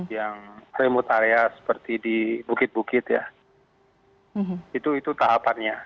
yang remote area seperti di bukit bukit ya itu tahapannya